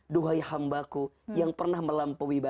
duhai hambaku yang pernah melampaui batas